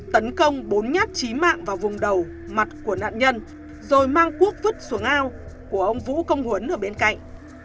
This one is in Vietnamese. tấn công bốn nhát chí mạng vào vùng đầu mặt của nạn nhân rồi mang quốc vứt xuống ao của ông vũ công huấn ở bên cạnh